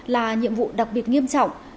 là nhiệm vụ đặc biệt nghiêm trọng